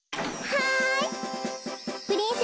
はい。